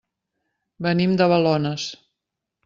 Venim de Balones.